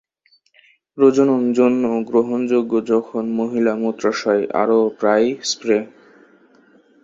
প্রজনন জন্য গ্রহণযোগ্য যখন মহিলা মূত্রাশয় আরো প্রায়ই স্প্রে।